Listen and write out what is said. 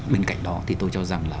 bên cạnh đó thì tôi cho rằng là